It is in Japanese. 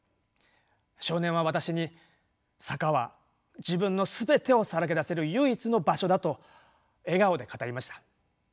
少年は私に坂は自分の全てをさらけ出せる唯一の場所だと笑顔で語りました。